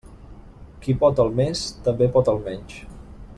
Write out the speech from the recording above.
Qui pot el més, també pot el menys.